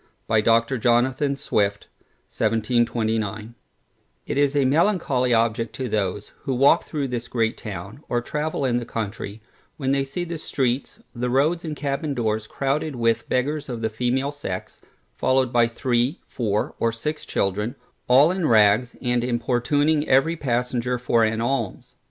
by Dr. Jonathan Swift 1729 It is a melancholy object to those, who walk through this great town, or travel in the country, when they see the streets, the roads, and cabbin doors crowded with beggars of the female sex, followed by three, four, or six children, all in rags, and importuning every passenger for an alms.